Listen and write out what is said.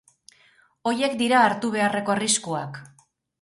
Horiek dira hartu beharreko arriskuak.